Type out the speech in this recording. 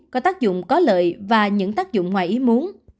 có tác dụng có lợi và những tác dụng ngoài ý muốn